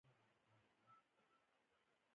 جنرال سټولیټوف په هغه بې مفهومه لیک کې ویلي وو.